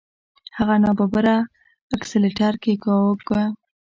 هغه ناببره اکسلېټر کېکاږه.